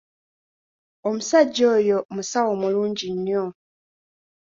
Omusajja oyo musawo mulungi nnyo.